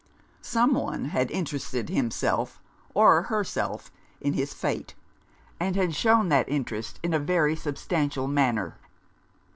Some one had interested himself, or herself, in his fate, and had shown that interest in a very substantial manner.